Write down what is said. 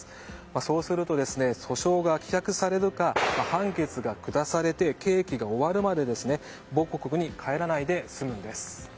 そうすると訴訟が棄却されるか判決が下されて刑期が終わるまで母国に帰らないで済むんです。